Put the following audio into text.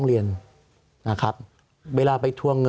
สวัสดีครับทุกคน